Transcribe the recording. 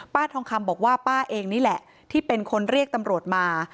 ทองคำบอกว่าป้าเองนี่แหละที่เป็นคนเรียกตำรวจมา